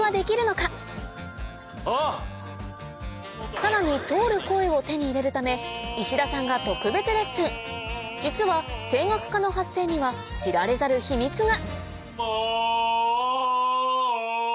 さらに通る声を手に入れるため石田さんが実は声楽家の発声には知られざる秘密が